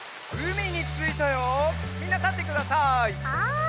みんなたってください。